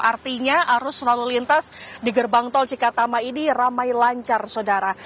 artinya arus lalu lintas di gerbang tol cikatama ini ramai lancar sodara